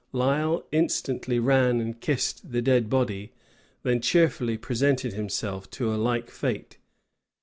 Lisle instantly ran and kissed the dead body, then cheerfully presented himself to a like fate.